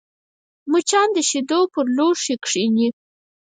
مچان د شیدو پر لوښي کښېني